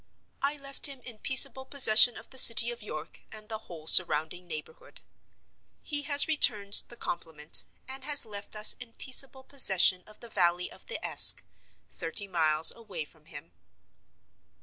I left him in peaceable possession of the city of York, and the whole surrounding neighborhood. He has returned the compliment, and has left us in peaceable possession of the valley of the Esk, thirty miles away from him.